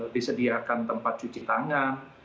disediakan tempat cuci tangan